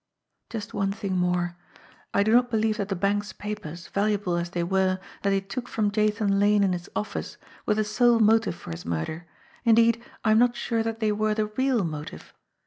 "Just one thing more. I do not believe that the bank's papers, valuable as they were, that they took from Jathan Lane in his office, were the sole motive for his murder; indeed, I am not sure that they were the real motive.